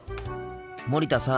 森田さん。